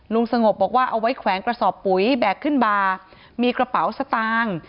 สงบบอกว่าเอาไว้แขวนกระสอบปุ๋ยแบกขึ้นมามีกระเป๋าสตางค์